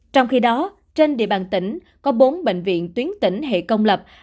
trong khi đó trên địa bàn tỉnh có bốn bệnh viện tuyến tỉnh hệ công lập